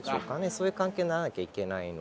そういう関係にならなきゃいけないので。